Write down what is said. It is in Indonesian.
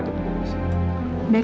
jantung baru sudah terpasang